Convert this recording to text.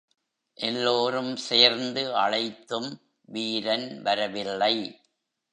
எல்லோரும் சேர்ந்து அழைத்தும் வீரன் வரவில்லை.